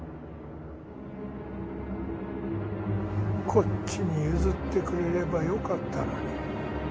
こっちに譲ってくれればよかったのに。